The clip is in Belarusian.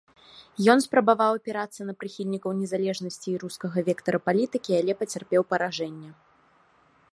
Ён спрабаваў апірацца на прыхільнікаў незалежнасці і рускага вектара палітыкі, але пацярпеў паражэнне.